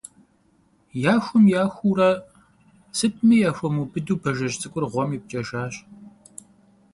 Яхум-яхуурэ – сытми яхуэмубыду Бажэжь цӀыкӀур гъуэм ипкӀэжащ.